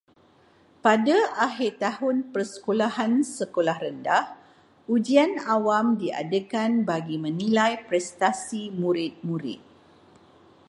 Pada akhir tahun persekolahan sekolah rendah, ujian awam diadakan bagi menilai prestasi murid-murid.